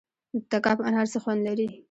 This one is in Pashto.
د تګاب انار څه خوند لري؟